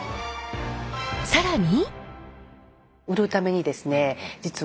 更に。